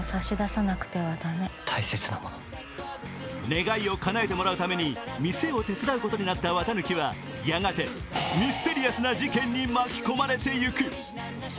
願いをかなえてもらうためにミセを手伝うことになった四月一日はやがてミステリアスな事件に巻き込まれていく。